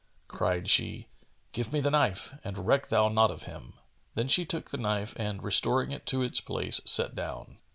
Cried she, "Give me the knife and reck thou not of him." Then she took the knife and restoring it to its place, sat down.